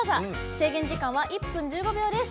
制限時間は１分１５秒です。